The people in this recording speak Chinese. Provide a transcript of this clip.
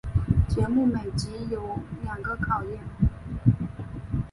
节目每集有两个考验。